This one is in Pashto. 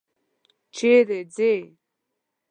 چېرې ځې؟